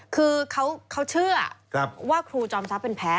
คือเขาเชื่อว่าครูจอมทรัพย์เป็นแพ้